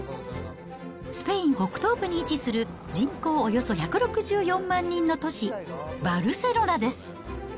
スペイン北東部に位置する、人口およそ１６４万人の都市、バルセロナです。